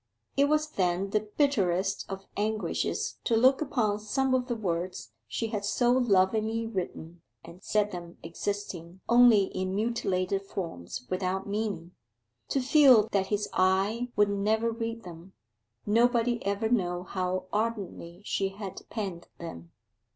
It was then the bitterest of anguishes to look upon some of the words she had so lovingly written, and see them existing only in mutilated forms without meaning to feel that his eye would never read them, nobody ever know how ardently she had penned them.